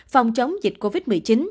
phòng chống dịch covid một mươi chín